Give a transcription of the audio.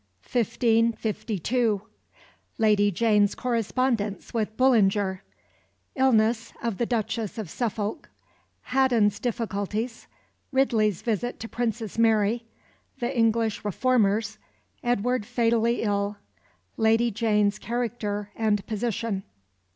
CHAPTER XIV 1552 Lady Jane's correspondence with Bullinger Illness of the Duchess of Suffolk Haddon's difficulties Ridley's visit to Princess Mary the English Reformers Edward fatally ill Lady Jane's character and position.